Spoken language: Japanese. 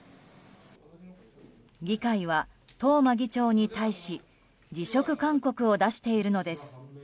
議会は東間議長に対し辞職勧告を出しているのです。